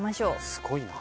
すごいな。